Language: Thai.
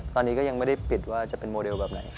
ตอนนี้ก็ยังไม่ได้ปิดว่าจะเป็นโมเดลแบบไหน